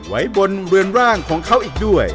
ไว้บนเรือนร่างของเขาอีกด้วย